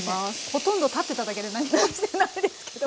ほとんど立ってただけで何もしてないですけど。